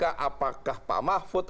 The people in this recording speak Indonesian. apakah pak mahfud